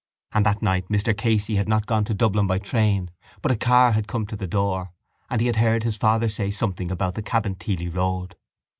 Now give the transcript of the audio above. And that night Mr Casey had not gone to Dublin by train but a car had come to the door and he had heard his father say something about the Cabinteely road.